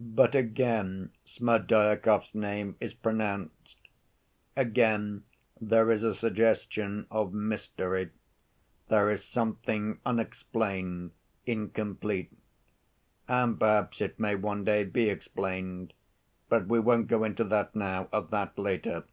But again Smerdyakov's name is pronounced, again there is a suggestion of mystery. There is something unexplained, incomplete. And perhaps it may one day be explained. But we won't go into that now. Of that later.